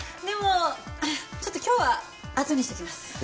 でもちょっと今日はあとにしておきます。